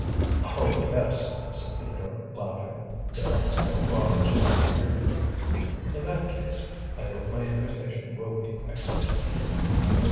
"Oh, yes," said Theodore, laughing; "there are no robbers about here." "In that case, I hope my invitation will be accepted."